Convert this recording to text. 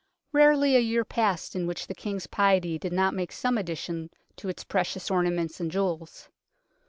Rarely a year passed in which the King's piety did not make some addition to its precious ornaments and jewels.